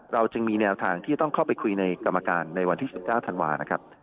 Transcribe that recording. เราจึงมีแนวทางที่ต้องเข้าไปคุยในกรรมการในวันที่๑๙ธันวานะครับ